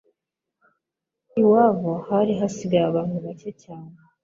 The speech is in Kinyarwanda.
iwabo hari hasigaye abantu bake cyane